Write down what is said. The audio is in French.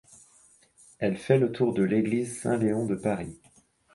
Elle fait le tour de l'église Saint-Léon de Paris.